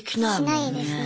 しないですね